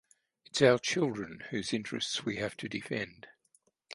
It's our children whose interests we have to defend.